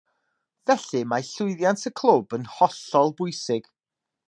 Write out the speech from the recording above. Felly mae llwyddiant y clwb yn hollol bwysig